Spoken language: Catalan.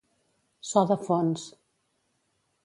So de fons.